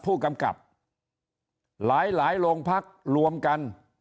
ผู้กำกับหลายโรงพักรวมกัน